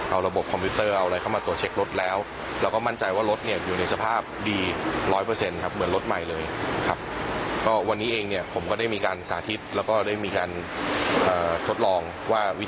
เอาระบบคอมพิวเตอร์เอาอะไรเข้ามาตรวจเช็ครถแล้ว